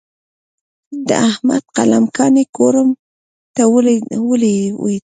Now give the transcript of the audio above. د احمد قلم کاڼی کوړم ته ولوېد.